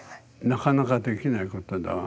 なかなかできないことだわ。